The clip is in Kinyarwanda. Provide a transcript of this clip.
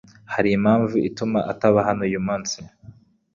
Hari impamvu ituma ataba hano uyumunsi?